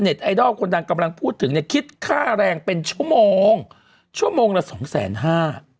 ไอดอลคนดังกำลังพูดถึงเนี่ยคิดค่าแรงเป็นชั่วโมงชั่วโมงละสองแสนห้า